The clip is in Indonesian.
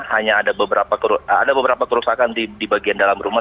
hanya ada beberapa kerusakan di bagian dalam rumah